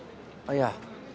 あっいや。